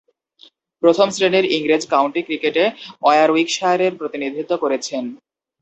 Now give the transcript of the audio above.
প্রথম-শ্রেণীর ইংরেজ কাউন্টি ক্রিকেটে ওয়ারউইকশায়ারের প্রতিনিধিত্ব করেছেন।